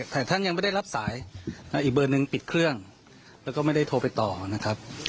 แต่ท่านยังไม่ได้รับสายอีกเบอร์หนึ่งปิดเครื่องแล้วก็ไม่ได้โทรไปต่อนะครับ